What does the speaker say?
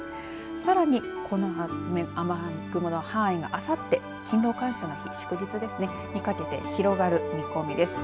さらにこの雨雲の範囲があさって勤労感謝の日、祝日ですねにかけて広がる見込みです。